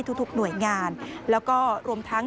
ทุกหน่วยงานแล้วก็รวมทั้ง